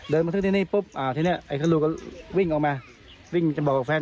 เดินมาทางนี้ปุ๊บอะทีเนี้ยไอ้สนุนก็วิ่งออกมาวิ่งจะบอกกับแฟน